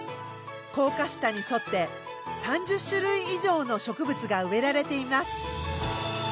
高架下に沿って３０種類以上の植物が植えられています。